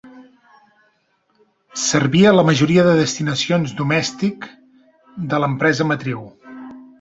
Servia la majoria de destinacions domèstic de l'empresa matriu.